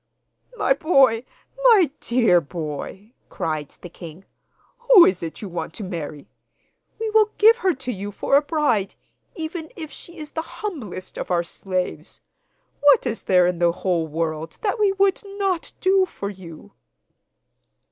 'My boy, my dear boy!' cried the king, 'who is it you want to marry? We will give her to you for a bride; even if she is the humblest of our slaves. What is there in the whole world that we would not do for you?